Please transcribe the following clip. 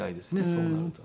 そうなると。